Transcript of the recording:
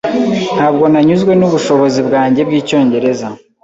Ntabwo nanyuzwe n'ubushobozi bwanjye bw'icyongereza.